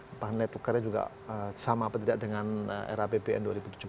apakah net tukarnya juga sama atau tidak dengan era bpn dua ribu tujuh belas